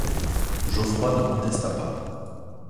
Geofroi ne contesta pas.